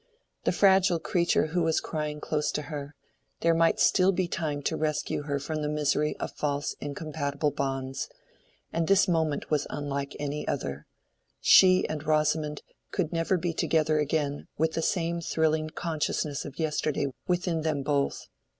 The fragile creature who was crying close to her—there might still be time to rescue her from the misery of false incompatible bonds; and this moment was unlike any other: she and Rosamond could never be together again with the same thrilling consciousness of yesterday within them both.